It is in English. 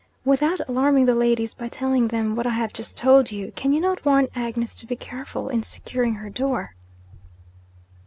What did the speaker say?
Without alarming the ladies by telling them what I have just told you, can you not warn Agnes to be careful in securing her door?'